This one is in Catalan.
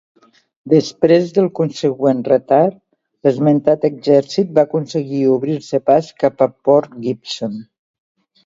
Després del consegüent retard, l'esmentat exèrcit va aconseguir obrir-se pas cap a Port Gibson.